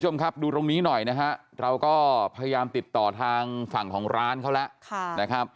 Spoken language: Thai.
คุณผู้ชมครับดูตรงนี้หน่อยนะฮะเราก็พยายามติดต่อทางฝั่งของร้านเขาแล้วนะครับ